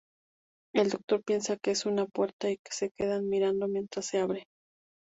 El Doctor piensa que es una puerta, y se quedan mirando mientras se abre.